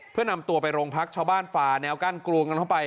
เพื่อนำตัวไปโรงพักชาวบ้านฝ่าแนวกั้นกรูกันเข้าไป